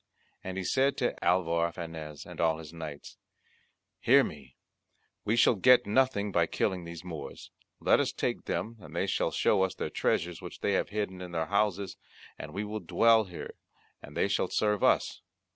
And he said to Alvar Fanez and all his knights, "Hear me, we shall get nothing by killing these Moors let us take them and they shall show us their treasures which they have hidden in their houses, and we will dwell here and they shall serve us."